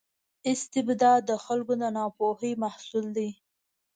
استبداد د خلکو د ناپوهۍ محصول دی.